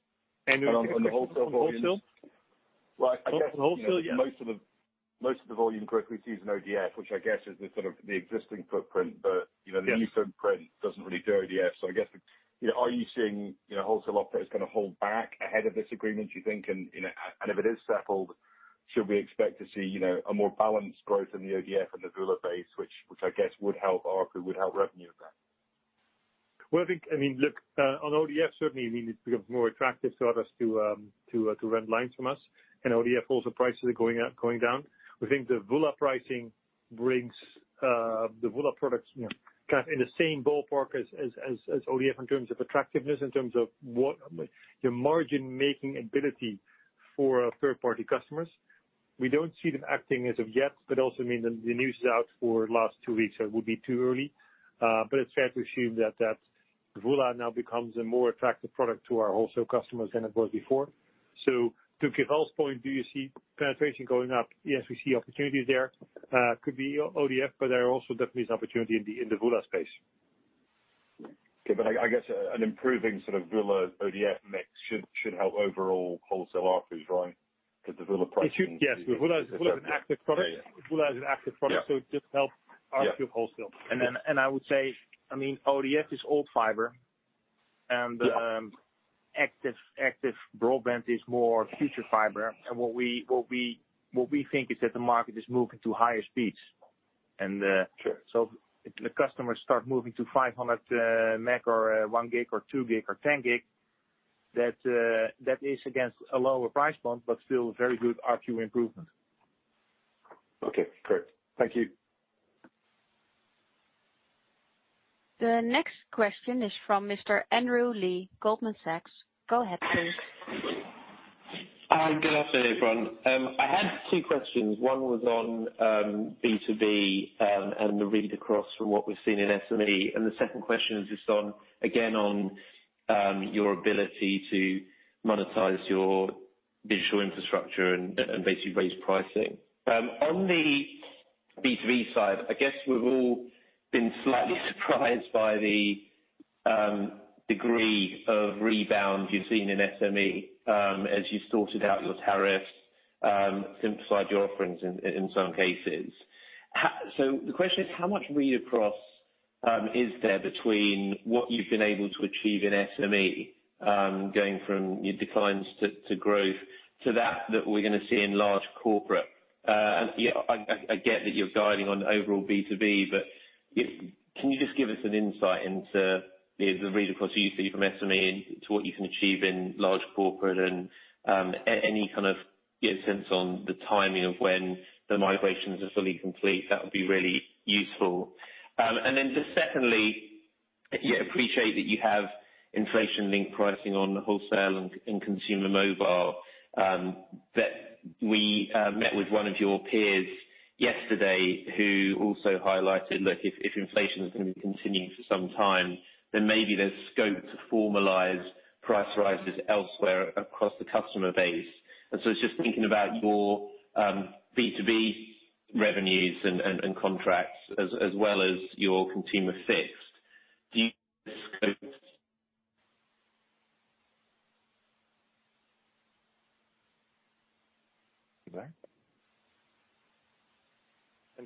And on- On the wholesale volumes. Well, I guess most of the volume correctly sees an ODF, which I guess is the sort of the existing footprint. You know, the new footprint doesn't really do ODF. So I guess, you know, are you seeing, you know, wholesale operators kinda hold back ahead of this agreement, do you think? And if it is settled, should we expect to see, you know, a more balanced growth in the ODF and the VULA base, which I guess would help ARPU, would help revenue again? Well, I think, I mean, look, on ODF, certainly we need to be more attractive to others to rent lines from us. In ODF wholesale prices are going down. We think the VULA pricing brings the VULA products, you know, kind of in the same ballpark as ODF in terms of attractiveness, in terms of what the margin-making ability for third-party customers. We don't see them acting as of yet, but I mean the news is out for last two weeks, so it would be too early. But it's fair to assume that VULA now becomes a more attractive product to our wholesale customers than it was before. To [Gerald's point], do you see penetration going up? Yes, we see opportunities there. Could be ODF, but there are also definitely is opportunity in the VULA space. Okay. I guess an improving sort of VULA ODF mix should help overall wholesale ARPUs, right? The VULA pricing- It should, yes. The VULA is an active product. Yeah, yeah. VULA is an active product. Yeah. It just helps ARPU wholesale. I would say, I mean, ODF is old fiber and active broadband is more future fiber. Sure. The customers start moving to 500 MB or 1 gig or 2 gig or 10 gig. That is against a lower price point, but still very good ARPU improvement. Okay, great. Thank you. The next question is from Mr. Andrew Lee, Goldman Sachs. Go ahead, please. Hi. Good afternoon, everyone. I had two questions. One was on B2B and the read across from what we've seen in SME. The second question is just on, again, on your ability to monetize your digital infrastructure and basically raise pricing. On the B2B side, I guess we've all been slightly surprised by the degree of rebound you've seen in SME as you sorted out your tariffs, simplified your offerings in some cases. The question is, how much read across is there between what you've been able to achieve in SME, going from your declines to growth to that we're gonna see in large corporate? I get that you're guiding on overall B2B, but can you just give us an insight into the read across you see from SME into what you can achieve in large corporate? Any kind of sense on the timing of when the migrations are fully complete, that would be really useful. Secondly, I appreciate that you have inflation-linked pricing on wholesale and consumer mobile, that we met with one of your peers yesterday who also highlighted, look, if inflation is going to continue for some time, then maybe there's scope to formalize price rises elsewhere across the customer base. It's just thinking about your B2B revenues and contracts as well as your consumer fixed. Do you scope-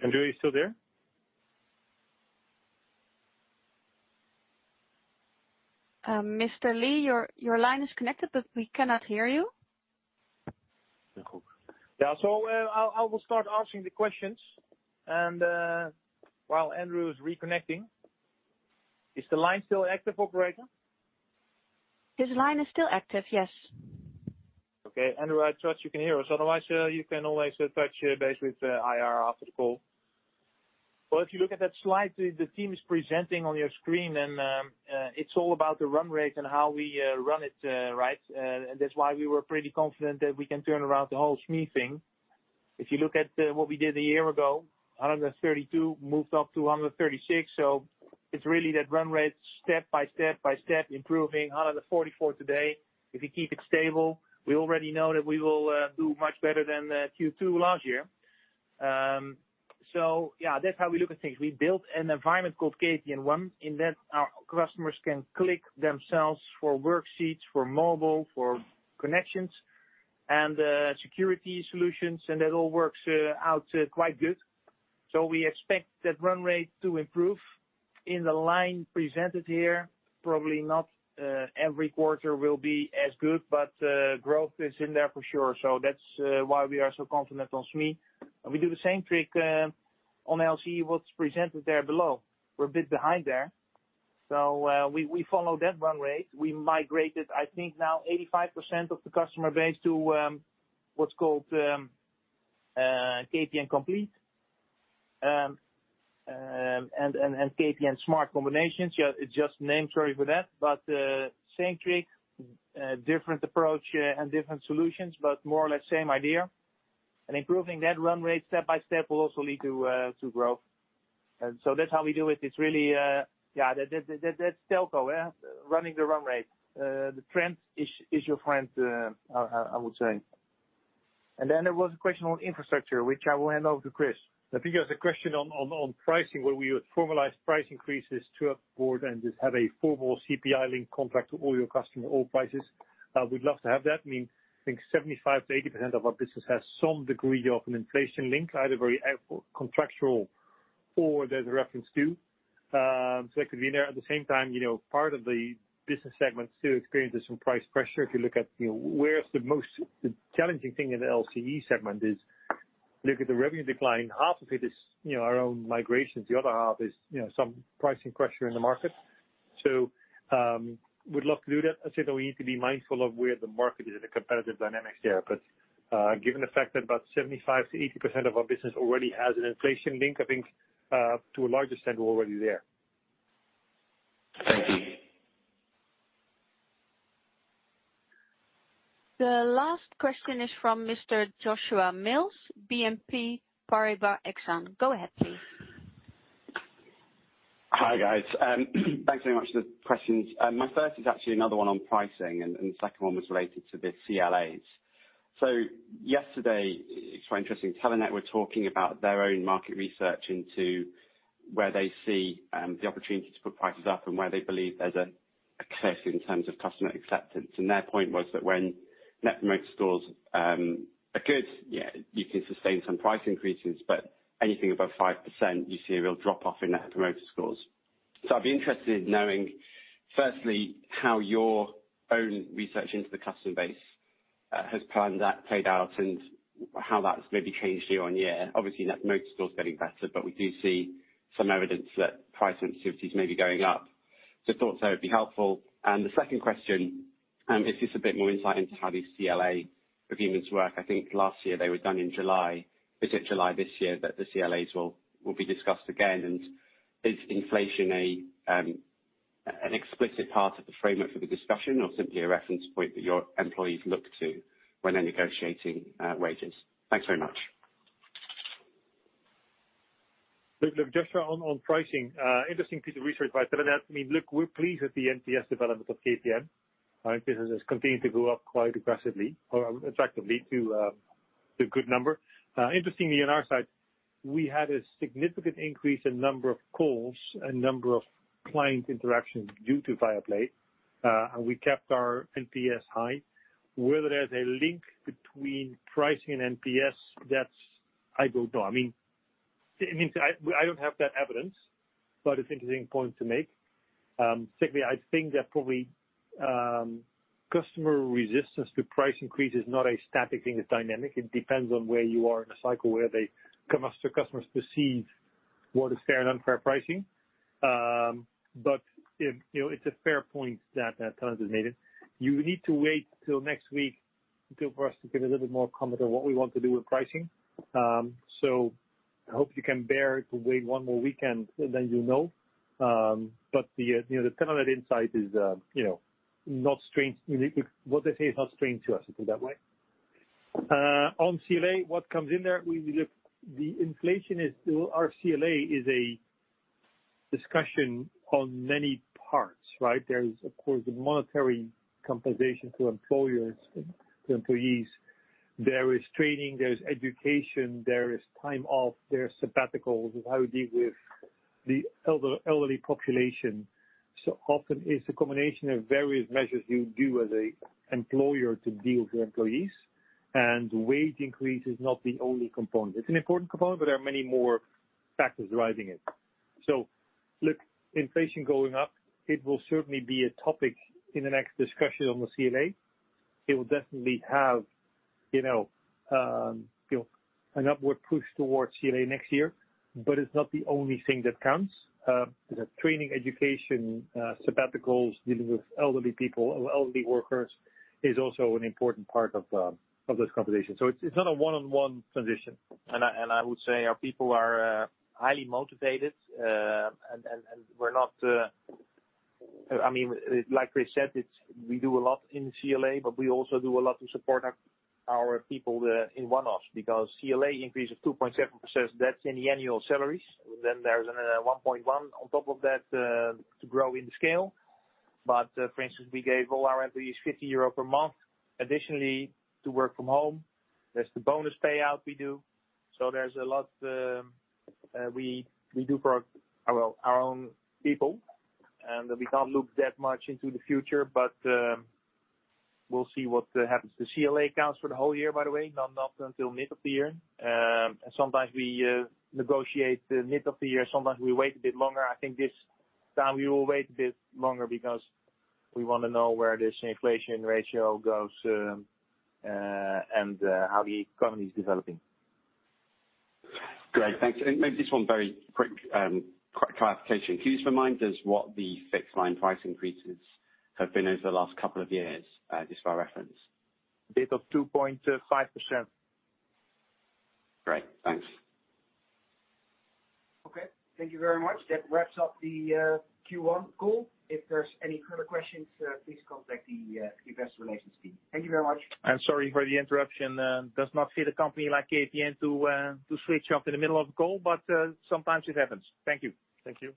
Andrew? Andrew, are you still there? Mr. Lee, your line is connected, but we cannot hear you. I will start answering the questions and while Andrew is reconnecting. Is the line still active, operator? His line is still active, yes. Okay. Andrew, I trust you can hear us. Otherwise, you can always touch base with IR after the call. Well, if you look at that slide, the team is presenting on your screen, then, it's all about the run rate and how we run it, right? That's why we were pretty confident that we can turn around the whole SME thing. If you look at what we did a year ago, 132 moved up to 136. It's really that run rate step by step, improving 144 today. If we keep it stable, we already know that we will do much better than Q2 last year. Yeah, that's how we look at things. We built an environment called KPN One, in that our customers can click themselves for worksheets, for mobile, for connections and security solutions, and that all works out quite good. We expect that run rate to improve in the line presented here. Probably not every quarter will be as good, but growth is in there for sure. That's why we are so confident on SME. We do the same trick on LCE, what's presented there below. We're a bit behind there. We follow that run rate. We migrated, I think now 85% of the customer base to what's called KPN Complete and KPN Smart Combinations. Yeah, it's just name change for that. But same trick, different approach and different solutions, but more or less same idea. Improving that run rate step by step will also lead to growth. That's how we do it. It's really that's telco, running the run rate. The trend is your friend, I would say. Then there was a question on infrastructure, which I will hand over to Chris. I think there's a question on pricing, where we would formalize price increases to a board and just have a formal CPI-linked contract to all your customer, all prices. We'd love to have that. I mean, I think 75%-80% of our business has some degree of an inflation link. I had a very contractual There's a reference to, so that could be there. At the same time, you know, part of the business segment still experiences some price pressure. If you look at, you know, where's the most challenging thing in the LCE segment is look at the revenue decline. Half of it is, you know, our own migrations, the other half is, you know, some pricing pressure in the market. We'd love to do that. I say that we need to be mindful of where the market is in a competitive dynamics there. Given the fact that about 75%-80% of our business already has an inflation link, I think, to a larger extent, we're already there. Thank you. The last question is from Mr. Joshua Mills, BNP Paribas Exane. Go ahead, please. Hi, guys. Thanks very much for the questions. My first is actually another one on pricing and the second one was related to the CLAs. Yesterday, it's quite interesting, Telenet were talking about their own market research into where they see the opportunity to put prices up and where they believe there's a cliff in terms of customer acceptance. Their point was that when net promoter scores are good, yeah, you can sustain some price increases, but anything above 5% you see a real drop-off in net promoter scores. I'd be interested in knowing, firstly, how your own research into the customer base has planned that trade-out and how that's maybe changed year-on-year. Obviously, net promoter score is getting better, but we do see some evidence that price sensitivity is maybe going up. Thought that would be helpful. The second question is just a bit more insight into how these CLA reviews work. I think last year they were done in July. Is it July this year that the CLAs will be discussed again? Is inflation an explicit part of the framework for the discussion or simply a reference point that your employees look to when they're negotiating wages? Thanks very much. Look, Joshua, on pricing, interesting piece of research by Telenet. I mean, we're pleased with the NPS development of KPN. Our business has continued to go up quite aggressively or effectively to a good number. Interestingly, on our side, we had a significant increase in number of calls and number of client interactions due to Viaplay, and we kept our NPS high. Whether there's a link between pricing and NPS, that I don't know. I mean, I don't have that evidence, but it's an interesting point to make. Secondly, I think that probably customer resistance to price increase is not a static thing, it's dynamic. It depends on where you are in a cycle, where the customers perceive what is fair and unfair pricing. It's a fair point that Telenet has made it. You need to wait till next week for us to give a little bit more comment on what we want to do with pricing. I hope you can bear to wait one more weekend, then you'll know. The Telenet insight is, you know, not strange. What they say is not strange to us, put it that way. On CLA, what comes in there. Our CLA is a discussion on many parts, right? There is, of course, the monetary compensation to employers, to employees. There is training, there is education, there is time off, there's sabbaticals. How do you deal with the elderly population? Often it's a combination of various measures you do as an employer to deal with your employees, and wage increase is not the only component. It's an important component, but there are many more factors driving it. Look, inflation going up, it will certainly be a topic in the next discussion on the CLA. It will definitely have, you know, you know, an upward push towards CLA next year, but it's not the only thing that counts. The training, education, sabbaticals, dealing with elderly people, elderly workers is also an important part of those conversations. It's not a one-on-one transition. I would say our people are highly motivated. I mean, like Chris said, it's we do a lot in CLA, but we also do a lot to support our people there in one-offs because CLA increase of 2.7%, that's in the annual salaries. Then there's 1.1% on top of that to grow in scale. For instance, we gave all our employees 50 euro per month additionally to work from home. There's the bonus payout we do. There's a lot we do for our, well, our own people. We can't look that much into the future, but we'll see what happens. The CLA counts for the whole year, by the way, not until mid of the year. Sometimes we negotiate the mid of the year. Sometimes we wait a bit longer. I think this time we will wait a bit longer because we wanna know where this inflation rate goes, and how the economy is developing. Great. Thanks. Maybe just one very quick clarification. Can you just remind us what the fixed line price increases have been over the last couple of years, just for reference? Bit of 2.5%. Great. Thanks. Okay. Thank you very much. That wraps up the Q1 call. If there's any further questions, please contact the investor relations team. Thank you very much. Sorry for the interruption. Does not fit a company like KPN to switch off in the middle of call, but sometimes it happens. Thank you. Thank you.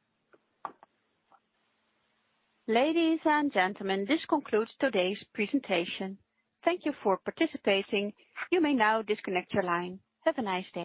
Ladies and gentlemen, this concludes today's presentation. Thank you for participating. You may now disconnect your line. Have a nice day.